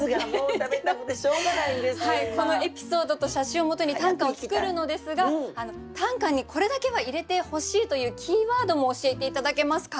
このエピソードと写真をもとに短歌を作るのですが短歌にこれだけは入れてほしいというキーワードも教えて頂けますか？